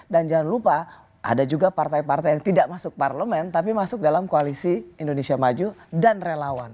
dan jangan lupa ada juga partai partai yang tidak masuk parlemen tapi masuk dalam koalisi indonesia maju dan relawan